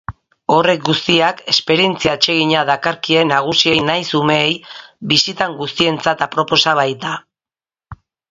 Horrek guztiak esperientzia atsegina dakarkie nagusiei nahiz umeei, bisitari guztientzat aproposa baita.